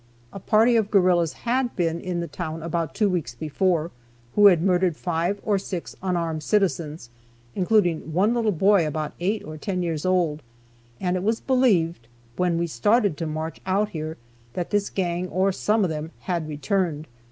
A party of guerrillas had been in the town about two weeks before, who had murdered five or six unarmed citizens, (including one little boy about eight or ten years old,) and it was believed when we started to march out here that this gang, or some of them, had returned.